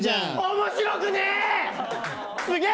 面白くねえ！